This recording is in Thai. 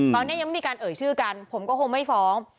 ตอนนี้ยังไม่มีการเอ่ยชื่อกันผมก็คงไม่ฟ้อง